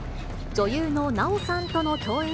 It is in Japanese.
女優の奈緒さんとの共演